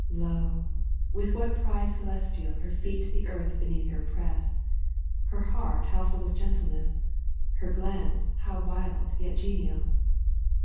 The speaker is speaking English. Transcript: Lo ! with what pride celestial Her feet the earth beneath her press ! Her heart how full of gentleness, Her glance how wild yet genial